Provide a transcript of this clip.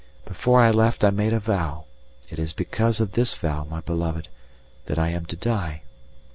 Before I left, I made a vow. It is because of this vow, my beloved, that I am to die.